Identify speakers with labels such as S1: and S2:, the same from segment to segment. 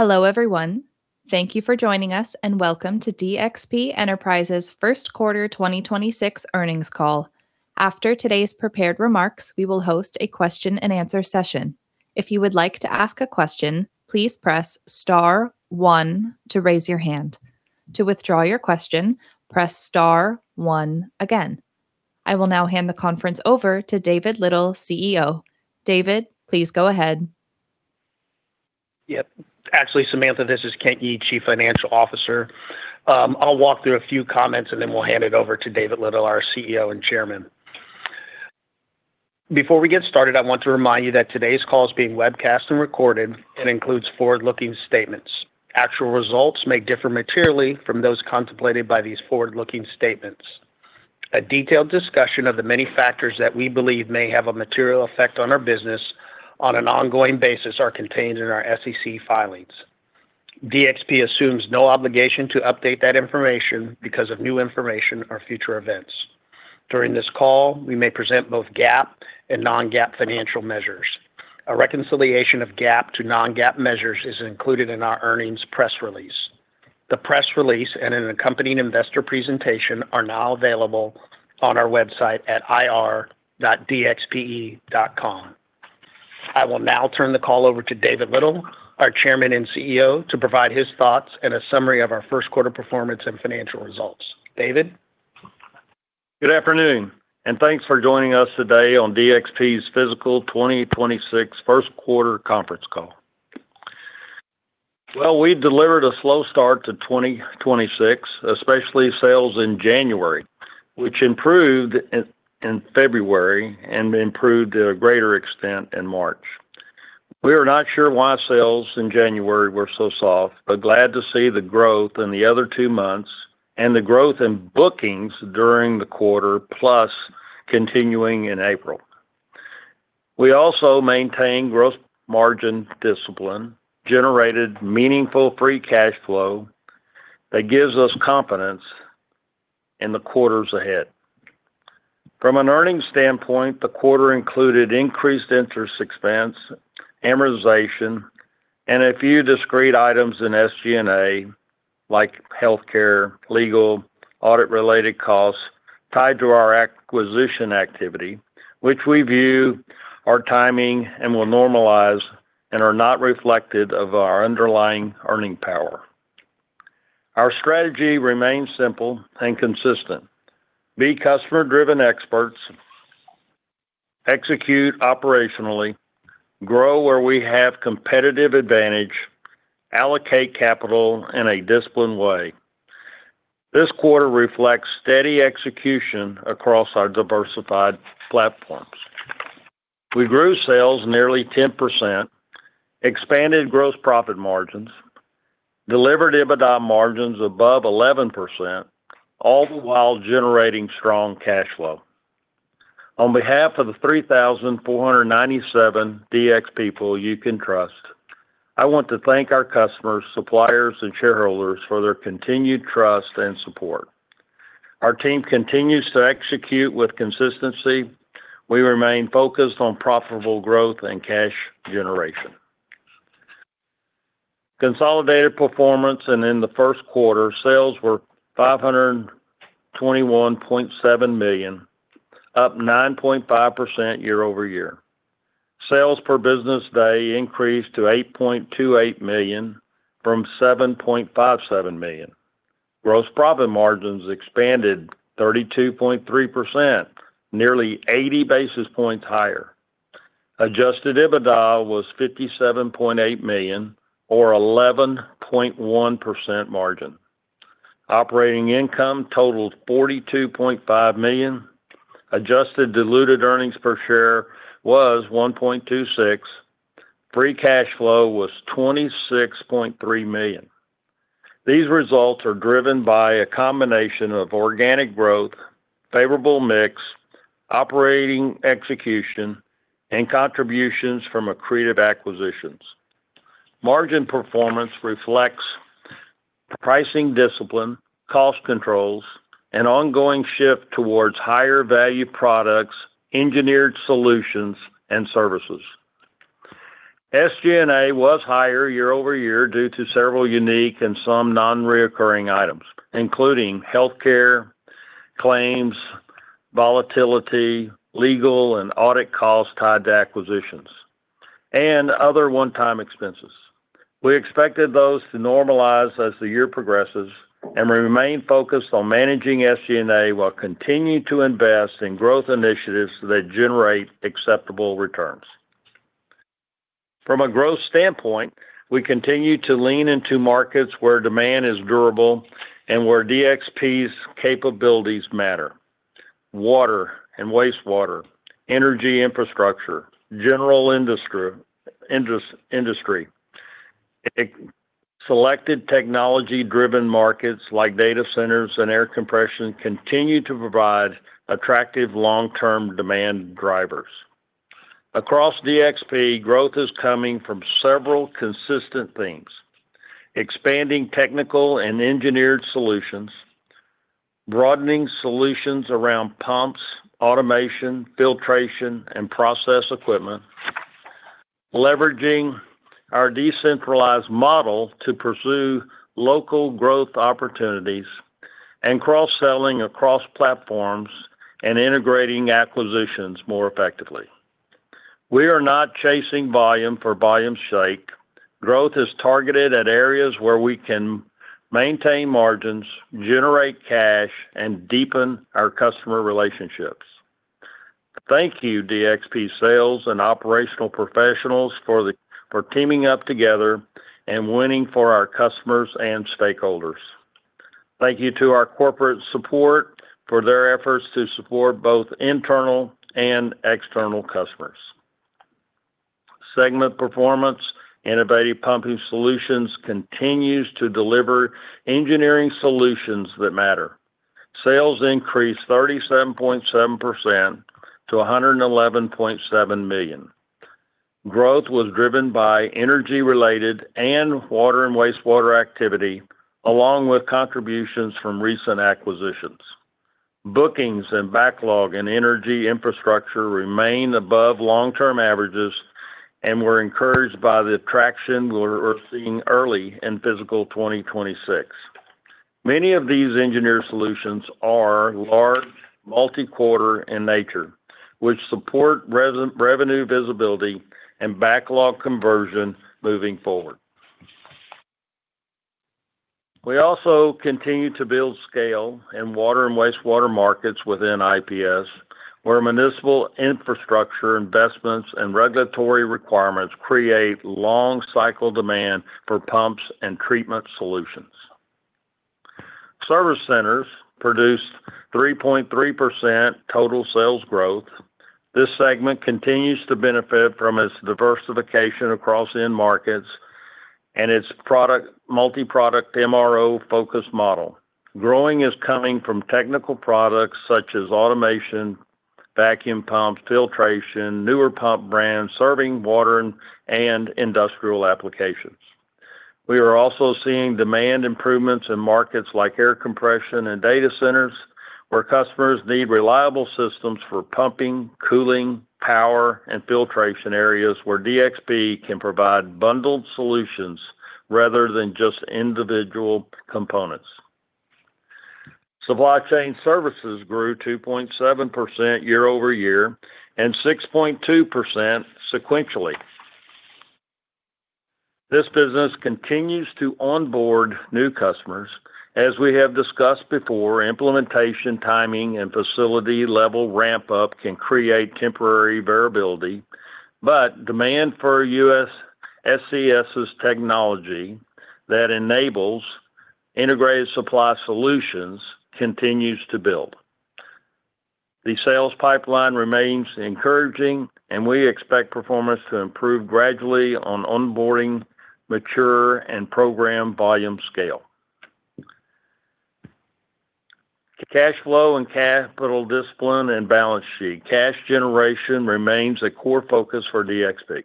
S1: Hello, everyone. Thank you for joining us, and welcome to DXP Enterprises first quarter 2026 earnings call. After today's prepared remarks, we will host a question and answer session. I will now hand the conference over to David Little, CEO. David, please go ahead.
S2: Yep. Actually, Samantha, this is Kent Yee, Chief Financial Officer. I'll walk through a few comments, and then we'll hand it over to David Little, our CEO and Chairman. Before we get started, I want to remind you that today's call is being webcast and recorded and includes forward-looking statements. Actual results may differ materially from those contemplated by these forward-looking statements. A detailed discussion of the many factors that we believe may have a material effect on our business on an ongoing basis are contained in our SEC filings. DXP assumes no obligation to update that information because of new information or future events. During this call, we may present both GAAP and non-GAAP financial measures. A reconciliation of GAAP to non-GAAP measures is included in our earnings press release. The press release and an accompanying investor presentation are now available on our website at ir.dxpe.com. I will now turn the call over to David Little, our Chairman and CEO, to provide his thoughts and a summary of our first quarter performance and financial results. David?
S3: Good afternoon, thanks for joining us today on DXP's fiscal 2026 first quarter conference call. We delivered a slow start to 2026, especially sales in January, which improved in February and improved to a greater extent in March. We are not sure why sales in January were so soft, glad to see the growth in the other two months and the growth in bookings during the quarter plus continuing in April. We also maintain gross margin discipline, generated meaningful free cash flow that gives us confidence in the quarters ahead. From an earnings standpoint, the quarter included increased interest expense, amortization, a few discrete items in SG&A like healthcare, legal, audit related costs tied to our acquisition activity, which we view are timing and will normalize and are not reflected of our underlying earning power. Our strategy remains simple and consistent: be customer-driven experts, execute operationally, grow where we have competitive advantage, allocate capital in a disciplined way. This quarter reflects steady execution across our diversified platforms. We grew sales nearly 10%, expanded gross profit margins, delivered EBITDA margins above 11%, all the while generating strong cash flow. On behalf of the 3,497 DXP people you can trust, I want to thank our customers, suppliers, and shareholders for their continued trust and support. Our team continues to execute with consistency. We remain focused on profitable growth and cash generation. Consolidated performance and in the first quarter, sales were $521.7 million, up 9.5% year-over-year. Sales per business day increased to $8.28 million from $7.57 million. Gross profit margins expanded 32.3%, nearly 80 basis points higher. Adjusted EBITDA was $57.8 million or 11.1% margin. Operating income totaled $42.5 million. Adjusted diluted earnings per share was $1.26. Free cash flow was $26.3 million. These results are driven by a combination of organic growth, favorable mix, operating execution, and contributions from accretive acquisitions. Margin performance reflects pricing discipline, cost controls, and ongoing shift towards higher value products, engineered solutions, and services. SG&A was higher year-over-year due to several unique and some non-reoccurring items, including healthcare, claims, volatility, legal and audit costs tied to acquisitions, and other one-time expenses. We expected those to normalize as the year progresses and remain focused on managing SG&A while continuing to invest in growth initiatives that generate acceptable returns. From a growth standpoint, we continue to lean into markets where demand is durable and where DXP's capabilities matter. Water and wastewater, energy infrastructure, general industry. Selected technology-driven markets like data centers and air compression continue to provide attractive long-term demand drivers. Across DXP, growth is coming from several consistent things: expanding technical and engineered solutions, broadening solutions around pumps, automation, filtration, and process equipment. Leveraging our decentralized model to pursue local growth opportunities and cross-selling across platforms and integrating acquisitions more effectively. We are not chasing volume for volume's sake. Growth is targeted at areas where we can maintain margins, generate cash, and deepen our customer relationships. Thank you DXP sales and operational professionals for teaming up together and winning for our customers and stakeholders. Thank you to our corporate support for their efforts to support both internal and external customers. Segment performance. Innovative Pumping Solutions continues to deliver engineering solutions that matter. Sales increased 37.7% to $111.7 million. Growth was driven by energy-related and water and wastewater activity, along with contributions from recent acquisitions. Bookings and backlog in energy infrastructure remain above long-term averages, and we're encouraged by the traction we're seeing early in fiscal 2026. Many of these engineered solutions are large, multi-quarter in nature, which support revenue visibility and backlog conversion moving forward. We also continue to build scale in water and wastewater markets within IPS, where municipal infrastructure investments and regulatory requirements create long-cycle demand for pumps and treatment solutions. Service Centers produced 3.3% total sales growth. This segment continues to benefit from its diversification across end markets and its multi-product MRO-focused model. Growing is coming from technical products such as automation, vacuum pumps, filtration, newer pump brands, serving water and industrial applications. We are also seeing demand improvements in markets like air compression and data centers, where customers need reliable systems for pumping, cooling, power, and filtration areas where DXP can provide bundled solutions rather than just individual components. Supply Chain Services grew 2.7% year-over-year and 6.2% sequentially. This business continues to onboard new customers. As we have discussed before, implementation, timing, and facility-level ramp-up can create temporary variability, but demand for USSC's technology that enables integrated supply solutions continues to build. The sales pipeline remains encouraging, and we expect performance to improve gradually on onboarding, mature, and program volume scale. Cash flow and capital discipline and balance sheet. Cash generation remains a core focus for DXP.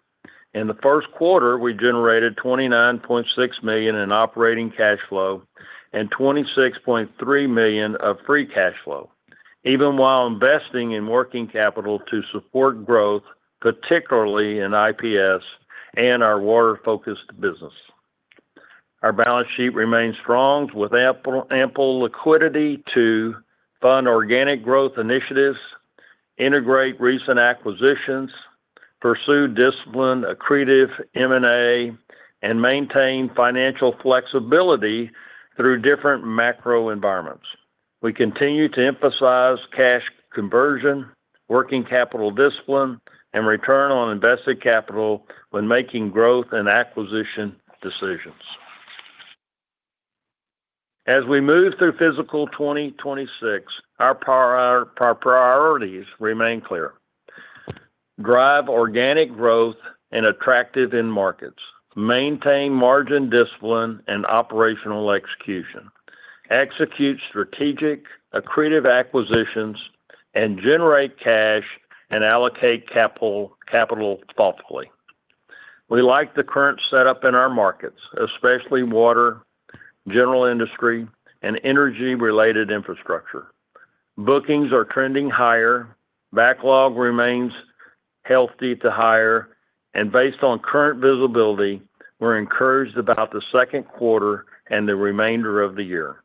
S3: In the first quarter, we generated $29.6 million in operating cash flow and $26.3 million of free cash flow, even while investing in working capital to support growth, particularly in IPS and our water-focused business. Our balance sheet remains strong with ample liquidity to fund organic growth initiatives, integrate recent acquisitions, pursue disciplined, accretive M&A, and maintain financial flexibility through different macro environments. We continue to emphasize cash conversion, working capital discipline, and return on invested capital when making growth and acquisition decisions. As we move through fiscal 2026, our priorities remain clear. Drive organic growth and attractive end markets. Maintain margin discipline and operational execution. Execute strategic, accretive acquisitions and generate cash and allocate capital thoughtfully. We like the current setup in our markets, especially water, general industry, and energy-related infrastructure. Bookings are trending higher, backlog remains healthy to higher, based on current visibility, we're encouraged about the second quarter and the remainder of the year.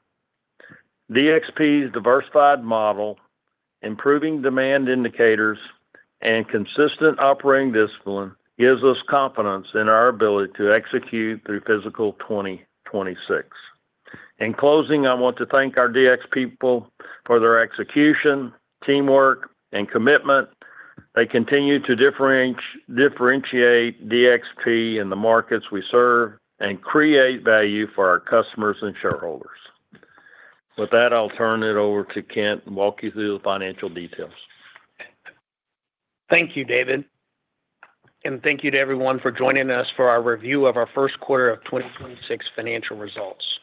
S3: DXP's diversified model, improving demand indicators, and consistent operating discipline gives us confidence in our ability to execute through fiscal 2026. In closing, I want to thank our DXP people for their execution, teamwork, and commitment. They continue to differentiate DXP in the markets we serve and create value for our customers and shareholders. With that, I'll turn it over to Kent and walk you through the financial details.
S2: Thank you, David, and thank you to everyone for joining us for our review of our 1st quarter of 2026 financial results.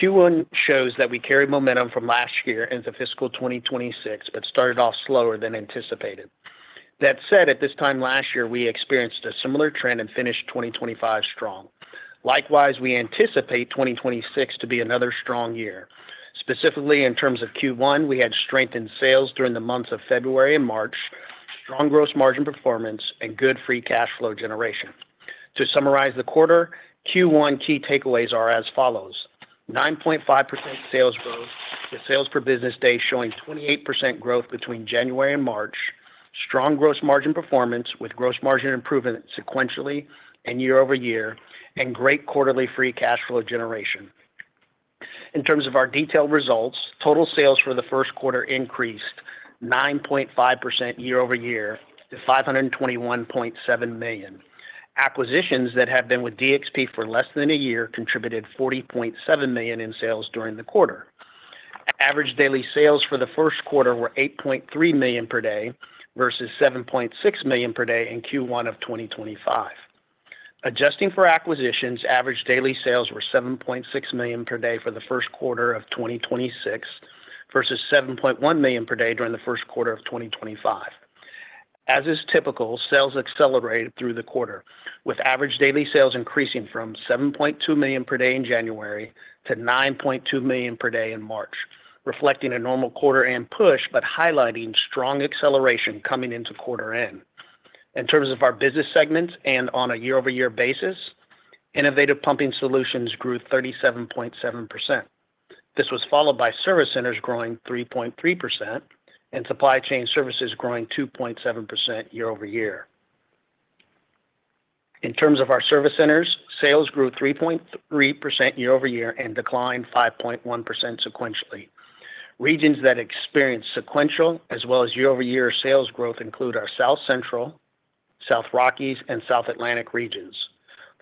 S2: Q1 shows that we carried momentum from last year into fiscal 2026, but started off slower than anticipated. That said, at this time last year, we experienced a similar trend and finished 2025 strong. Likewise, we anticipate 2026 to be another strong year. Specifically, in terms of Q1, we had strengthened sales during the months of February and March, strong gross margin performance, and good free cash flow generation. To summarize the quarter, Q1 key takeaways are as follows, 9.5% sales growth, with sales per business day showing 28% growth between January and March, strong gross margin performance with gross margin improvement sequentially and year-over-year, and great quarterly free cash flow generation. In terms of our detailed results, total sales for the first quarter increased 9.5% year-over-year to $521.7 million. Acquisitions that have been with DXP for less than a year contributed $40.7 million in sales during the quarter. Average daily sales for the first quarter were $8.3 million per day versus $7.6 million per day in Q1 of 2025. Adjusting for acquisitions, average daily sales were $7.6 million per day for the first quarter of 2026 versus $7.1 million per day during the first quarter of 2025. As is typical, sales accelerated through the quarter, with average daily sales increasing from $7.2 million per day in January to $9.2 million per day in March, reflecting a normal quarter-end push, highlighting strong acceleration coming into quarter-end. In terms of our business segments and on a year-over-year basis, Innovative Pumping Solutions grew 37.7%. This was followed by Service Centers growing 3.3% and Supply Chain Services growing 2.7% year-over-year. In terms of our Service Centers, sales grew 3.3% year-over-year and declined 5.1% sequentially. Regions that experienced sequential as well as year-over-year sales growth include our South Central, South Rockies, and South Atlantic regions.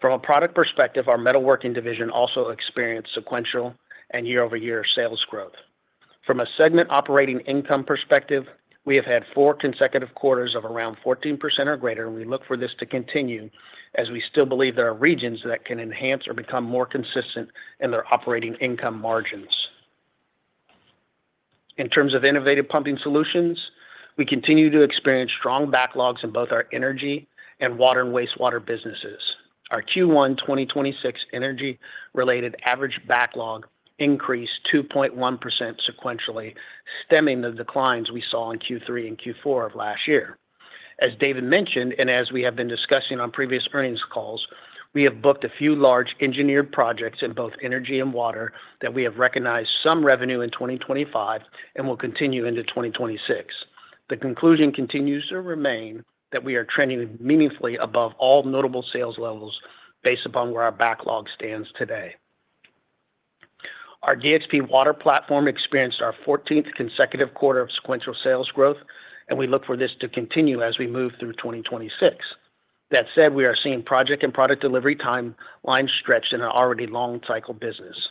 S2: From a product perspective, our metalworking division also experienced sequential and year-over-year sales growth. From a segment operating income perspective, we have had four consecutive quarters of around 14% or greater, and we look for this to continue as we still believe there are regions that can enhance or become more consistent in their operating income margins. In terms of Innovative Pumping Solutions, we continue to experience strong backlogs in both our energy and water and wastewater businesses. Our Q1 2026 energy-related average backlog increased 2.1% sequentially, stemming the declines we saw in Q3 and Q4 of last year. As David mentioned, and as we have been discussing on previous earnings calls, we have booked a few large engineered projects in both energy and water that we have recognized some revenue in 2025 and will continue into 2026. The conclusion continues to remain that we are trending meaningfully above all notable sales levels based upon where our backlog stands today. Our DXP Water platform experienced our fourteenth consecutive quarter of sequential sales growth, and we look for this to continue as we move through 2026. That said, we are seeing project and product delivery timelines stretched in an already long cycle business.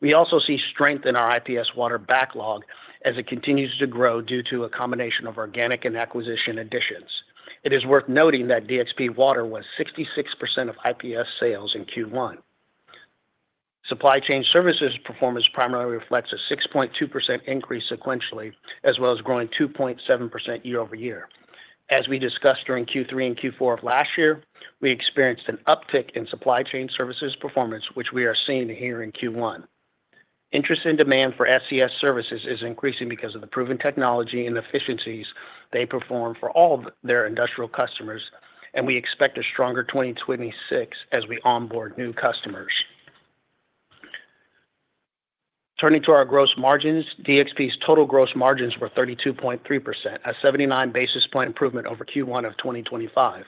S2: We also see strength in our IPS Water backlog as it continues to grow due to a combination of organic and acquisition additions. It is worth noting that DXP Water was 66% of IPS sales in Q1. Supply Chain Services performance primarily reflects a 6.2% increase sequentially, as well as growing 2.7% year-over-year. As we discussed during Q3 and Q4 of last year, we experienced an uptick in Supply Chain Services performance, which we are seeing here in Q1. Interest and demand for SCS services is increasing because of the proven technology and efficiencies they perform for all their industrial customers, and we expect a stronger 2026 as we onboard new customers. Turning to our gross margins, DXP's total gross margins were 32.3%, a 79 basis point improvement over Q1 of 2025.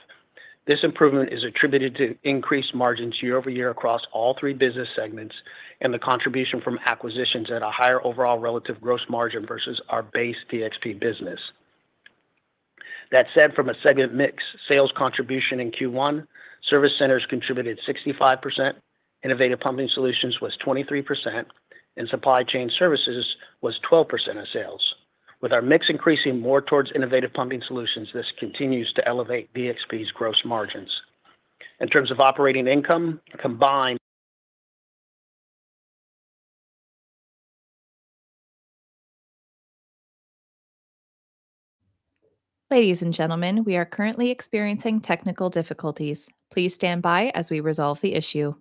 S2: This improvement is attributed to increased margins year-over-year across all three business segments and the contribution from acquisitions at a higher overall relative gross margin versus our base DXP business. That said, from a segment mix sales contribution in Q1, Service Centers contributed 65%, Innovative Pumping Solutions was 23%, and Supply Chain Services was 12% of sales. With our mix increasing more towards Innovative Pumping Solutions, this continues to elevate DXP's gross margins. In terms of operating income, combined.
S1: Ladies and gentlemen, we are currently experiencing technical difficulties. Please stand by as we resolve the issue.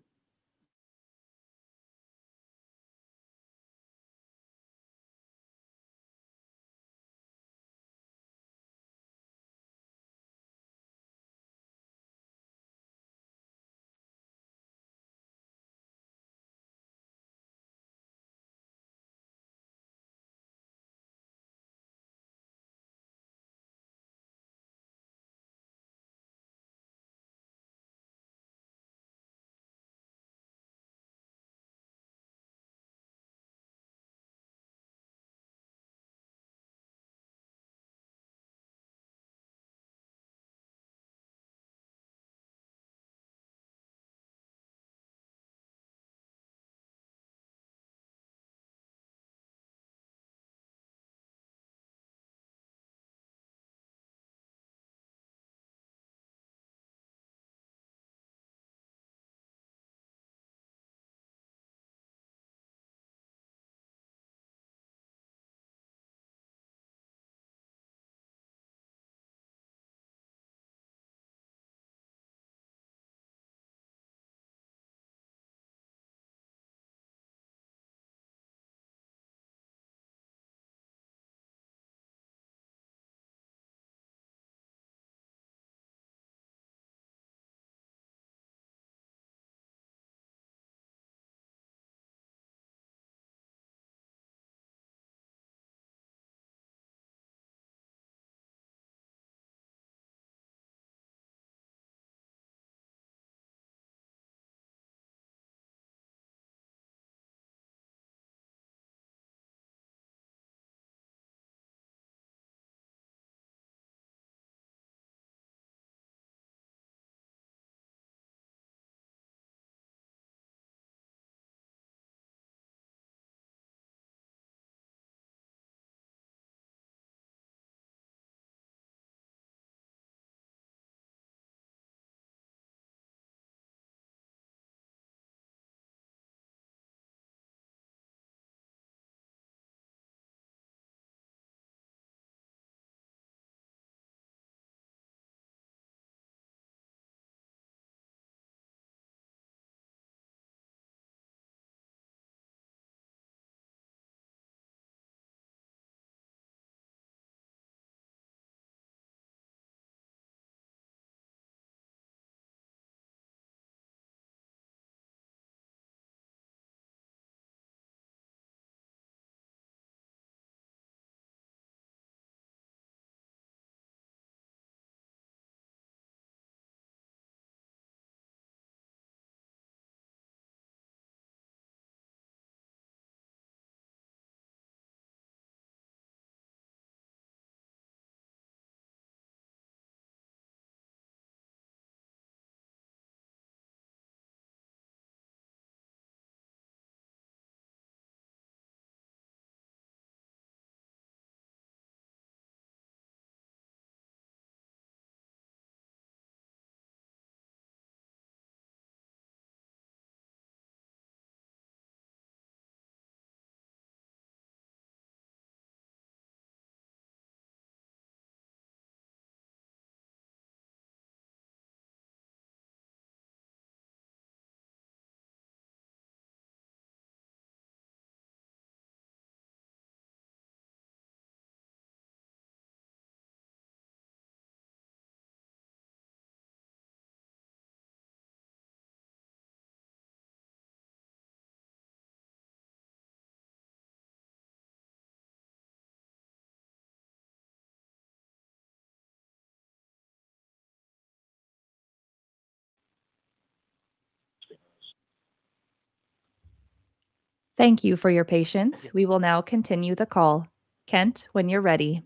S1: Thank you for your patience. We will now continue the call. Kent, when you're ready.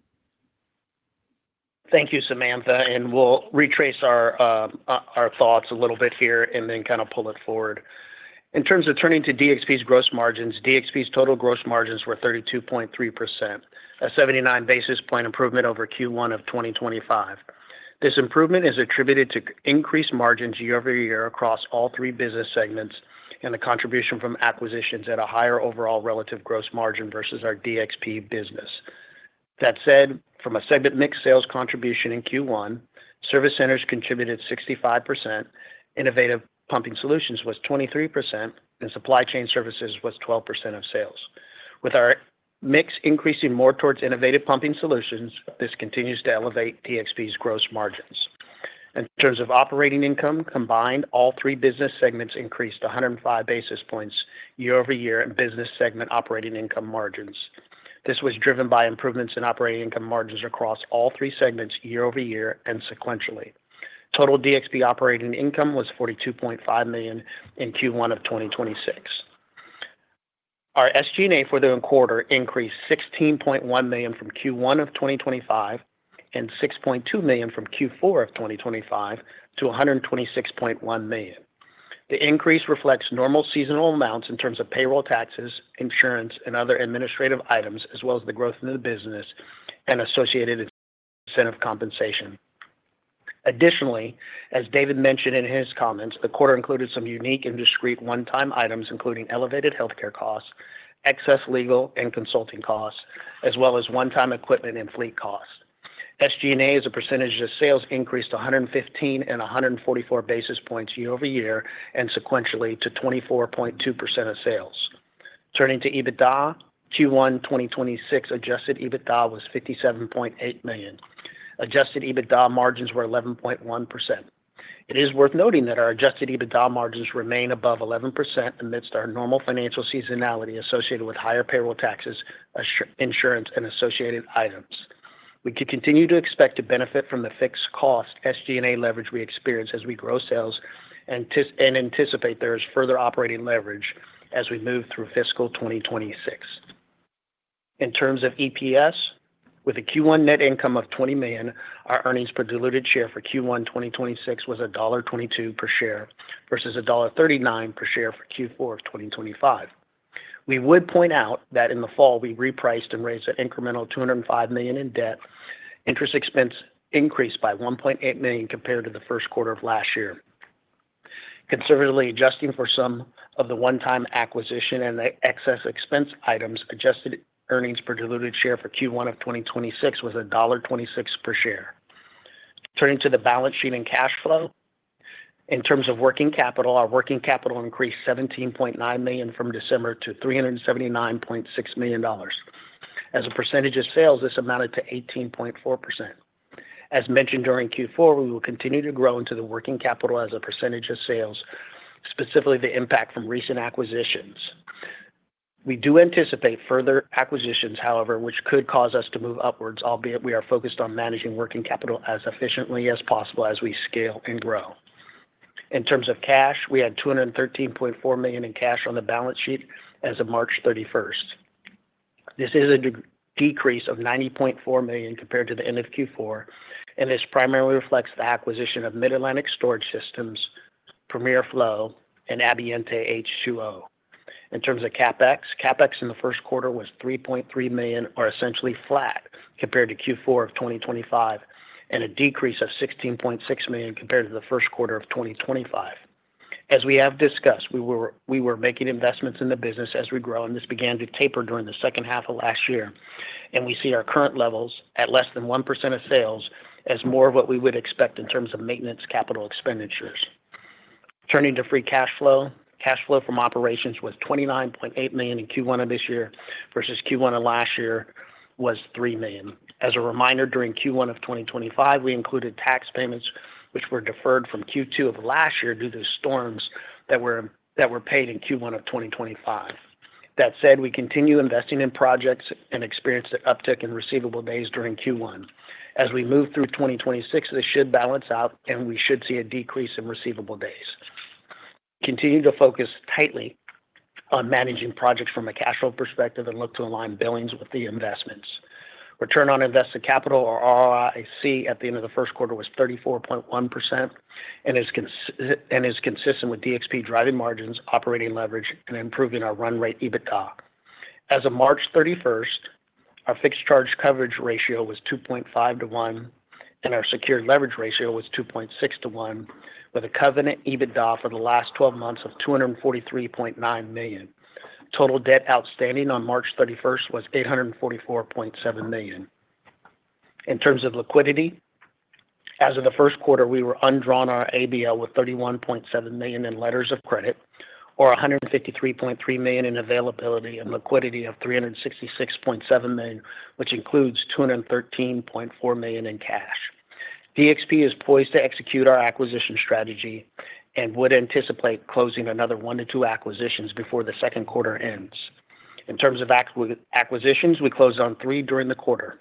S2: Thank you, Samantha. We'll retrace our thoughts a little bit here and then kind of pull it forward. In terms of turning to DXP's gross margins, DXP's total gross margins were 32.3%, a 79 basis point improvement over Q1 of 2025. This improvement is attributed to increased margins year-over-year across all three business segments and the contribution from acquisitions at a higher overall relative gross margin versus our DXP business. That said, from a segment mix sales contribution in Q1, Service Centers contributed 65%, Innovative Pumping Solutions was 23%, and Supply Chain Services was 12% of sales. With our mix increasing more towards Innovative Pumping Solutions, this continues to elevate DXP's gross margins. In terms of operating income, combined, all three business segments increased 105 basis points year-over-year in business segment operating income margins. This was driven by improvements in operating income margins across all three segments year-over-year and sequentially. Total DXP operating income was $42.5 million in Q1 of 2026. Our SG&A for the quarter increased $16.1 million from Q1 of 2025 and $6.2 million from Q4 of 2025 to $126.1 million. The increase reflects normal seasonal amounts in terms of payroll taxes, insurance, and other administrative items, as well as the growth in the business and associated incentive compensation. Additionally, as David mentioned in his comments, the quarter included some unique and discrete one-time items, including elevated healthcare costs, excess legal and consulting costs, as well as one-time equipment and fleet costs. SG&A as a percentage of sales increased 115 and 144 basis points year-over-year and sequentially to 24.2% of sales. Turning to EBITDA, Q1 2026 adjusted EBITDA was $57.8 million. Adjusted EBITDA margins were 11.1%. It is worth noting that our adjusted EBITDA margins remain above 11% amidst our normal financial seasonality associated with higher payroll taxes, insurance, and associated items. We could continue to expect to benefit from the fixed cost SG&A leverage we experience as we grow sales and anticipate there is further operating leverage as we move through fiscal 2026. In terms of EPS, with a Q1 net income of $20 million, our earnings per diluted share for Q1 2026 was $1.22 per share versus $1.39 per share for Q4 of 2025. We would point out that in the fall we repriced and raised an incremental $205 million in debt. Interest expense increased by $1.8 million compared to the first quarter of last year. Conservatively adjusting for some of the one-time acquisition and the excess expense items, adjusted earnings per diluted share for Q1 of 2026 was $1.26 per share. Turning to the balance sheet and cash flow. In terms of working capital, our working capital increased $17.9 million from December to $379.6 million. As a percentage of sales, this amounted to 18.4%. As mentioned during Q4, we will continue to grow into the working capital as a percentage of sales, specifically the impact from recent acquisitions. We do anticipate further acquisitions, however, which could cause us to move upwards, albeit we are focused on managing working capital as efficiently as possible as we scale and grow. In terms of cash, we had $213.4 million in cash on the balance sheet as of March 31st. This is a de-decrease of $90.4 million compared to the end of Q4, and this primarily reflects the acquisition of Mid Atlantic Storage Systems, PREMIERflow, and Ambiente H2O. In terms of CapEx in the first quarter was $3.3 million, or essentially flat compared to Q4 of 2025, and a decrease of $16.6 million compared to the first quarter of 2025. As we have discussed, we were making investments in the business as we grow, this began to taper during the second half of last year. We see our current levels at less than 1% of sales as more of what we would expect in terms of maintenance capital expenditures. Turning to free cash flow, cash flow from operations was $29.8 million in Q1 of this year versus Q1 of last year was $3 million. As a reminder, during Q1 of 2025, we included tax payments which were deferred from Q2 of last year due to storms that were paid in Q1 of 2025. That said, we continue investing in projects and experienced an uptick in receivable days during Q1. As we move through 2026, this should balance out, and we should see a decrease in receivable days. Continue to focus tightly on managing projects from a cash flow perspective and look to align billings with the investments. Return on invested capital, or ROIC, at the end of the first quarter was 34.1% and is consistent with DXP driving margins, operating leverage, and improving our run rate EBITDA. As of March 31st, our fixed charge coverage ratio was 2.5 to 1, and our secured leverage ratio was 2.6 to 1, with a covenant EBITDA for the last 12 months of $243.9 million. Total debt outstanding on March 31st was $844.7 million. In terms of liquidity, as of the first quarter, we were undrawn on our ABL with $31.7 million in letters of credit or $153.3 million in availability and liquidity of $366.7 million, which includes $213.4 million in cash. DXP is poised to execute our acquisition strategy and would anticipate closing another one to two acquisitions before the second quarter ends. In terms of acquisitions, we closed on three during the quarter: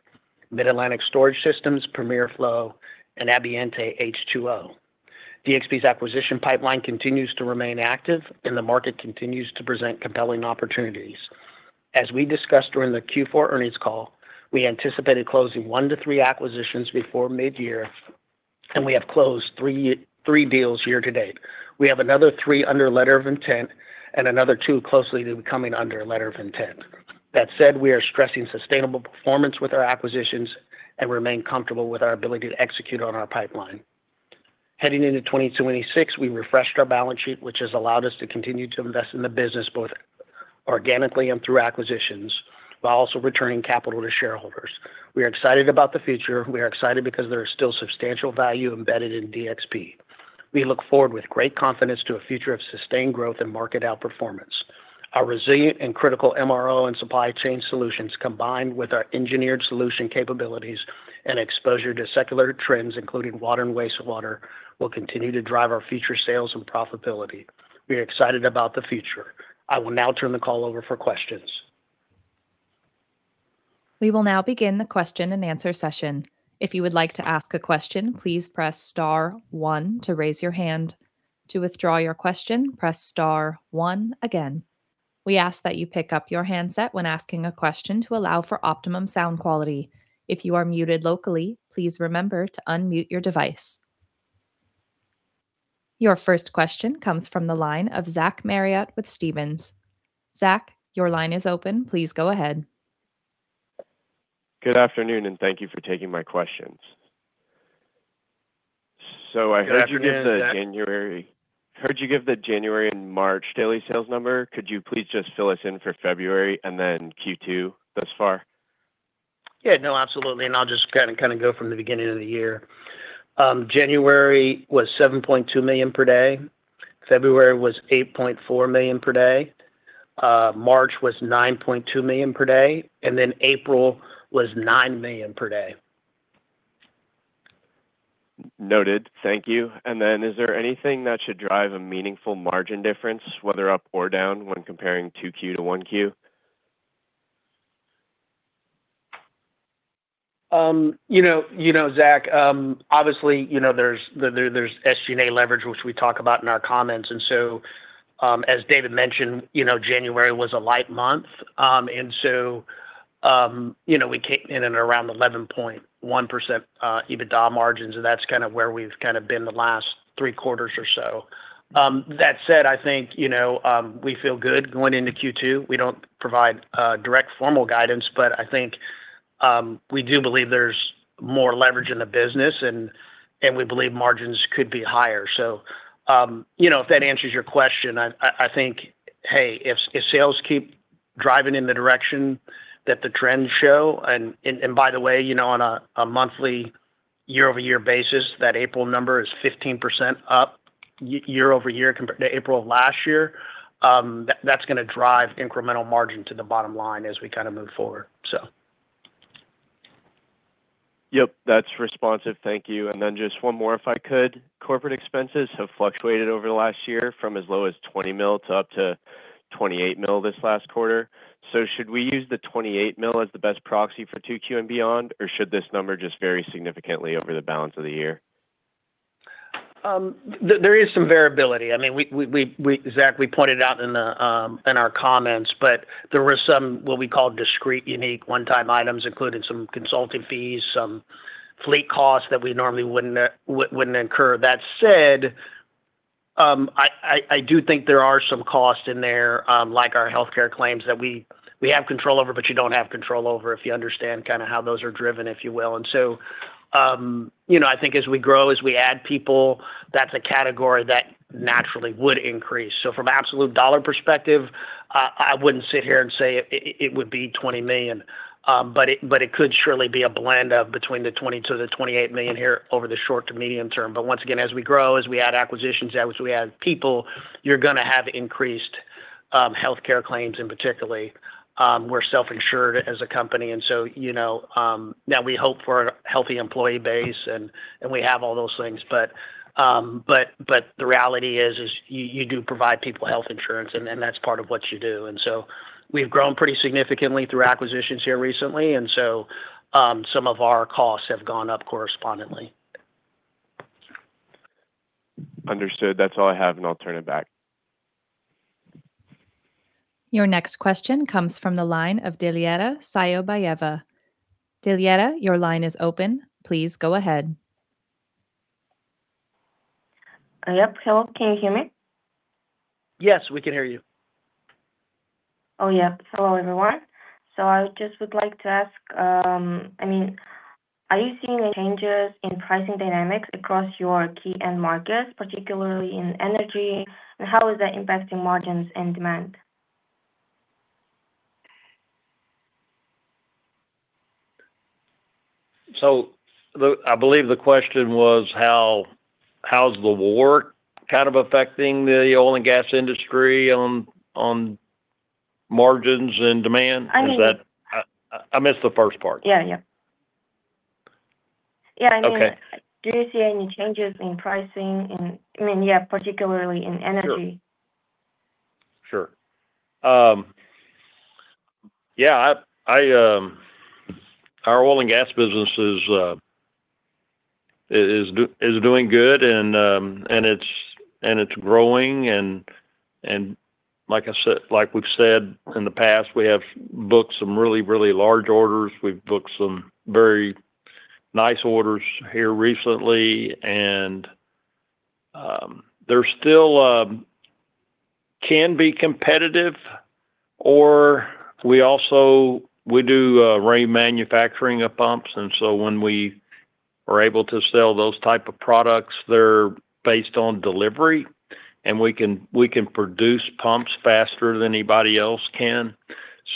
S2: Mid Atlantic Storage Systems, PREMIERflow, and Ambiente H2O. DXP's acquisition pipeline continues to remain active, and the market continues to present compelling opportunities. As we discussed during the Q4 earnings call, we anticipated closing one to three acquisitions before mid-year, and we have closed three deals year to date. We have another three under letter of intent and another two closely to coming under letter of intent. We are stressing sustainable performance with our acquisitions and remain comfortable with our ability to execute on our pipeline. Heading into 2026, we refreshed our balance sheet, which has allowed us to continue to invest in the business, both organically and through acquisitions, while also returning capital to shareholders. We are excited about the future. We are excited because there is still substantial value embedded in DXP. We look forward with great confidence to a future of sustained growth and market outperformance. Our resilient and critical MRO and supply chain solutions, combined with our engineered solution capabilities and exposure to secular trends, including water and wastewater, will continue to drive our future sales and profitability. We are excited about the future. I will now turn the call over for questions.
S1: We will now begin the question-and-answer session. If you would like to ask a question, please press star one to raise your hand. To withdraw your question, press star one again. We ask that you pick up your handset when asking a question to allow for optimum sound quality. If you are muted locally, please remember to unmute your device. Your first question comes from the line of Zach Marriott with Stephens. Zach, your line is open. Please go ahead.
S4: Good afternoon, and thank you for taking my questions. I heard you give the January.
S2: Good afternoon, Zach
S4: I heard you give the January and March daily sales number. Could you please just fill us in for February and then Q2 thus far?
S2: Yeah, no, absolutely. I'll just kind of go from the beginning of the year. January was $7.2 million per day. February was $8.4 million per day. March was $9.2 million per day. April was $9 million per day.
S4: Noted. Thank you. Is there anything that should drive a meaningful margin difference, whether up or down, when comparing 2Q to 1Q?
S2: You know, you know, Zach, obviously, you know, there's SG&A leverage, which we talk about in our comments. As David mentioned, you know, January was a light month. You know, we came in at around 11.1% EBITDA margins, and that's where we've been the last three quarters or so. That said, I think, you know, we feel good going into Q2. We don't provide direct formal guidance, but I think. We do believe there's more leverage in the business and we believe margins could be higher. If that answers your question. If sales keep driving in the direction that the trends show. By the way, you know, on a monthly, year-over-year basis, that April number is 15% up year-over-year compared to April of last year. That's gonna drive incremental margin to the bottom line as we kind of move forward.
S4: Yep, that's responsive, thank you. Just one more, if I could. Corporate expenses have fluctuated over the last year from as low as $20 million to up to $28 million this last quarter. Should we use the $28 million as the best proxy for 2Q and beyond, or should this number just vary significantly over the balance of the year?
S2: There is some variability. I mean, we, Zach, we pointed out in our comments, there was some what we call discrete, unique, one-time items, including some consulting fees, some fleet costs that we normally wouldn't incur. That said, I do think there are some costs in there, like our healthcare claims, that we have control over but you don't have control over, if you understand kind of how those are driven, if you will. I think as we grow, as we add people, that's a category that naturally would increase. From absolute dollar perspective, I wouldn't sit here and say it would be $20 million. It could surely be a blend of between the $20 million-$28 million here over the short to medium term. Once again, as we grow, as we add acquisitions, as we add people, you're gonna have increased healthcare claims in particular, we're self-insured as a company. You know, now we hope for a healthy employee base and we have all those things. The reality is, you do provide people health insurance, and then that's part of what you do. We've grown pretty significantly through acquisitions here recently, and so some of our costs have gone up correspondingly.
S4: Understood. That's all I have, and I'll turn it back.
S1: Your next question comes from the line of Dilyara Sailaubayeva. Dilyara, your line is open. Please go ahead.
S5: Yep. Hello, can you hear me?
S2: Yes, we can hear you.
S5: Oh, yep. Hello, everyone. I just would like to ask, I mean, are you seeing any changes in pricing dynamics across your key end markets, particularly in energy, and how is that impacting margins and demand?
S3: I believe the question was how's the war kind of affecting the oil and gas industry on margins and demand.
S5: I mean-
S3: Is that I missed the first part.
S5: Yeah. I mean.
S3: Okay
S5: Do you see any changes in pricing in, I mean, yeah, particularly in energy?
S3: Sure. Sure. Yeah, I, our oil and gas business is doing good and it's growing and like I said, like we've said in the past, we have booked some really large orders. We've booked some very nice orders here recently, and they still can be competitive. We also do remanufacturing of pumps, and so when we are able to sell those type of products, they're based on delivery, and we can produce pumps faster than anybody else can.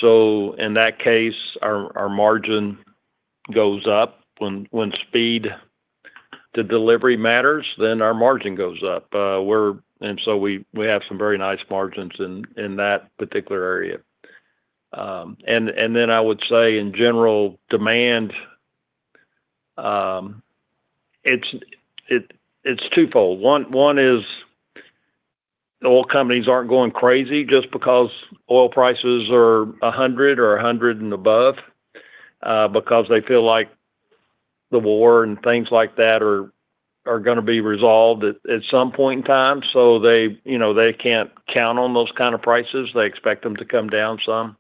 S3: In that case, our margin goes up. When speed to delivery matters, then our margin goes up. We have some very nice margins in that particular area. I would say in general, demand, it's twofold. One is oil companies aren't going crazy just because oil prices are $100 or $100 and above, because they feel like the war and things like that are gonna be resolved at some point in time. They, you know, they can't count on those kind of prices. They expect them to come down some.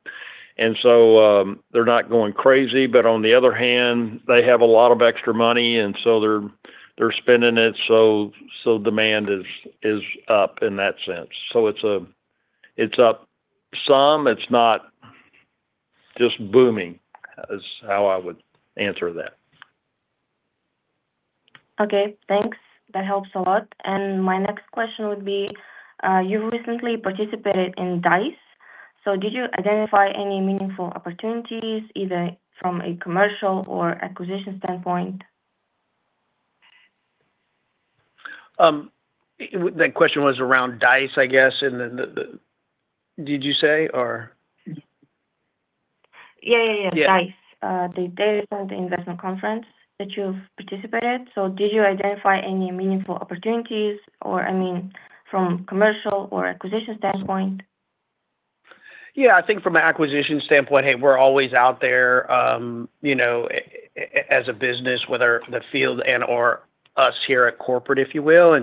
S3: They're not going crazy, but on the other hand, they have a lot of extra money, and so they're spending it, so demand is up in that sense. It's up some. It's not just booming, is how I would answer that.
S5: Okay, thanks. That helps a lot. My next question would be, you recently participated in DICE. Did you identify any meaningful opportunities, either from a commercial or acquisition standpoint?
S2: The question was around DICE, I guess, and the, did you say, or?
S5: Yeah, yeah.
S2: Yeah.
S5: DICE, the Data Centre Investment Conference that you've participated, did you identify any meaningful opportunities or, I mean, from commercial or acquisition standpoint?
S2: Yeah, I think from an acquisition standpoint, hey, we're always out there, you know, as a business, whether the field and/or us here at Corporate, if you will.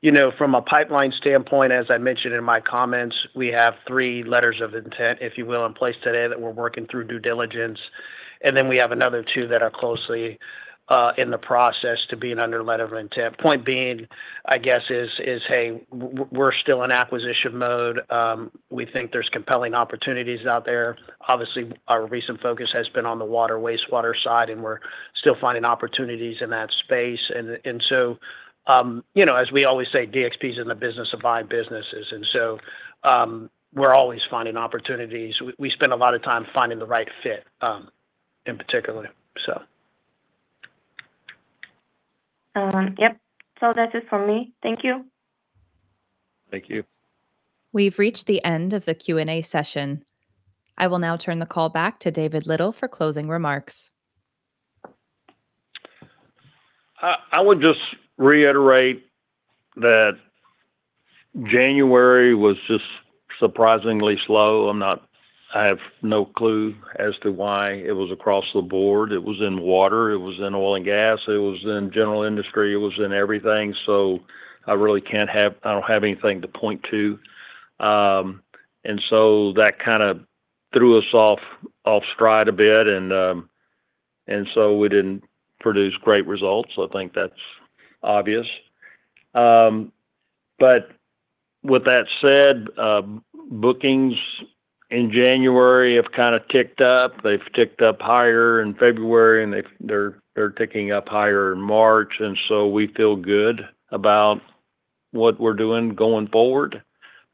S2: You know, from a pipeline standpoint, as I mentioned in my comments, we have three letters of intent, if you will, in place today that we're working through due diligence. We have another two that are closely in the process to being under letter of intent. Point being, I guess, is, hey, we're still in acquisition mode. We think there's compelling opportunities out there. Obviously, our recent focus has been on the water, wastewater side, and we're still finding opportunities in that space. You know, as we always say, DXP is in the business of buying businesses, we're always finding opportunities. We spend a lot of time finding the right fit, in particular, so.
S5: Yep. That's it for me. Thank you.
S2: Thank you.
S1: We've reached the end of the Q&A session. I will now turn the call back to David Little for closing remarks.
S3: I would just reiterate that January was just surprisingly slow. I have no clue as to why it was across the board. It was in water. It was in oil and gas. It was in general industry. It was in everything. I don't have anything to point to. That kind of threw us off stride a bit. We didn't produce great results. I think that's obvious. With that said, bookings in January have kind of ticked up. They've ticked up higher in February. They're ticking up higher in March. We feel good about what we're doing going forward.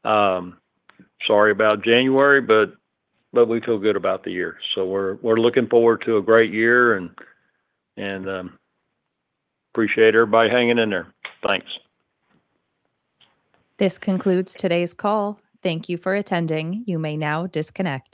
S3: Sorry about January, but we feel good about the year. We're looking forward to a great year, and appreciate everybody hanging in there. Thanks.
S1: This concludes today's call. Thank you for attending. You may now disconnect.